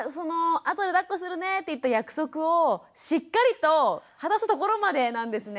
あとでだっこするねって言った約束をしっかりと果たすところまでなんですね。